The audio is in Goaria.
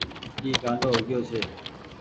اي گآنڊو هو گيو ڇي ۔